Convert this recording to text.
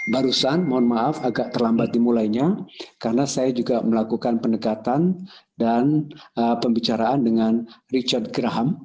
barusan mohon maaf agak terlambat dimulainya karena saya juga melakukan pendekatan dan pembicaraan dengan richard graham